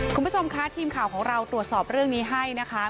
คุณผู้ชมคะทีมข่าวของเราตรวจสอบเรื่องนี้ให้นะคะ